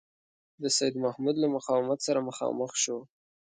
د سیدمحمود له مقاومت سره مخامخ شو.